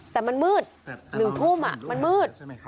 แต่มันมืด๑ทุ่มมันมืด